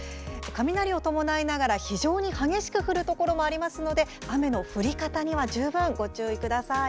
雷を伴いながら非常に激しく降るところもありますので雨の降り方には十分ご注意ください。